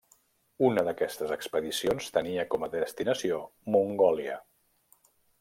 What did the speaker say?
Una d'aquestes expedicions tenia com a destinació Mongòlia.